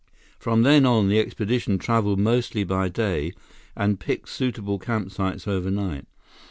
From then on, the expedition traveled mostly by day and picked suitable campsites overnight.